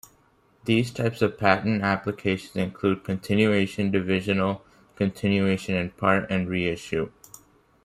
These types of patent applications include "continuation", "divisional", "continuation in part", and "reissue".